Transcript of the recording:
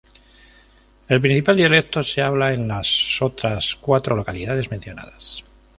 El principal dialecto se habla en las otras cuatro localidades mencionadas.